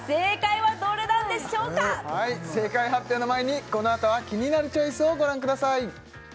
はい正解発表の前にこのあとは「キニナルチョイス」をご覧ください